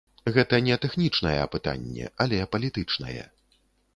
Гэта не тэхнічная пытанне, але палітычнае.